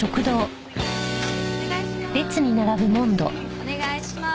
お願いします。